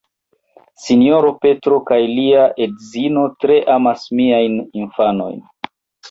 Sinjoro Petro kaj lia edzino tre amas miajn infanojn.